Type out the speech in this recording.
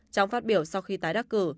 trong phát biểu sau khi tái đắc cử